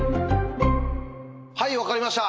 はい分かりました。